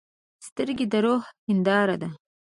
سترګې د روح هنداره ده.